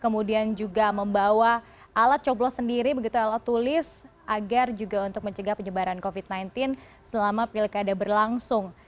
kemudian juga membawa alat coblos sendiri begitu alat tulis agar juga untuk mencegah penyebaran covid sembilan belas selama pilkada berlangsung